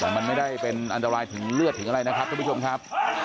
มันไม่ได้เป็นอันตรายถึงเลือดถึงอะไรนะครับทุกผู้ชมครับ